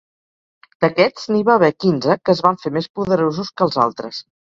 D'aquests n'hi va haver quinze que es van fer més poderosos que els altres.